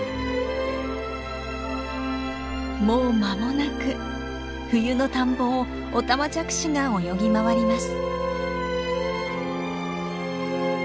もう間もなく冬の田んぼをオタマジャクシが泳ぎ回ります。